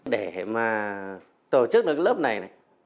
để mà tổ chức được lớp này